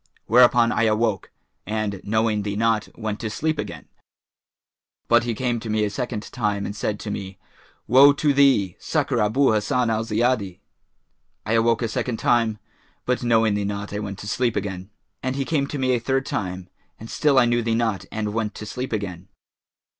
Whereupon I awoke and, knowing thee not, went to sleep again; but he came to me a second time and said to me, 'Woe to thee! Succour Abu Hassan al Ziyadi.' I awoke a second time, but knowing thee not I went to sleep again; and he came to me a third time and still I knew thee not and went to sleep again.